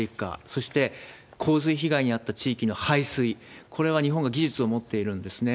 そして、洪水被害に遭った地域の排水、これは日本が技術を持っているんですね。